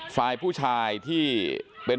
สวัสดีครับทุกคน